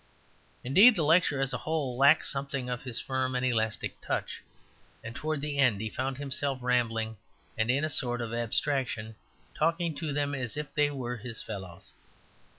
Indeed, the lecture as a whole lacked something of his firm and elastic touch, and towards the end he found himself rambling, and in a sort of abstraction, talking to them as if they were his fellows.